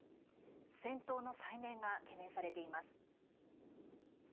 戦闘の再燃が懸念されています。